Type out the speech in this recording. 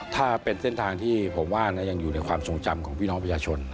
ถ้าเป็นเส้นทางที่ผมว่ายังอยู่ในความทรงจำของพี่น้องประชาชน